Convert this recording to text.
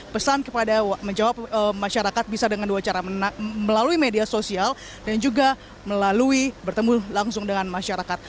pesan kepada menjawab masyarakat bisa dengan dua cara melalui media sosial dan juga melalui bertemu langsung dengan masyarakat